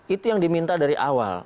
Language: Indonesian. itu yang diminta dari awal